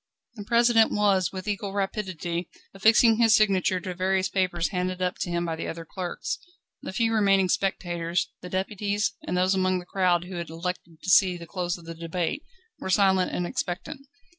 The President was, with equal rapidity, affixing his signature to various papers handed up to him by the other clerks. The few remaining spectators, the deputies, and those among the crowd who had elected to see the close of the debate, were silent and expectant.